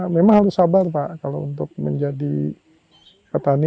memang harus sabar pak kalau untuk menjadi petani